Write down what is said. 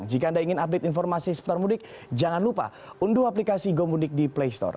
jika anda ingin update informasi seputar mudik jangan lupa unduh aplikasi go mudik di playstore